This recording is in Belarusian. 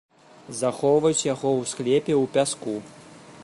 Захоўваюць яго ў склепе ў пяску.